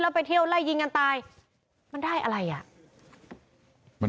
แล้วไปเที่ยวไล่ยิงกันตายมันได้อะไรอ่ะ